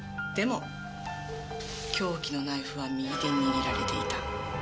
でも凶器のナイフは右手に握られていた。